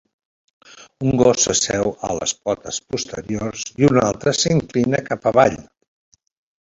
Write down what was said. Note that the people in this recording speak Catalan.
Un gos s'asseu a les potes posteriors i un altre s'inclina cap avall.